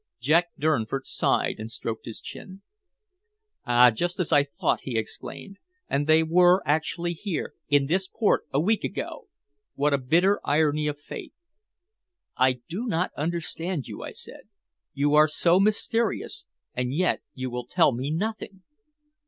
Jack Durnford sighed and stroked his chin. "Ah! Just as I thought," he exclaimed. "And they were actually here, in this port, a week ago! What a bitter irony of fate!" "I don't understand you," I said. "You are so mysterious, and yet you will tell me nothing!"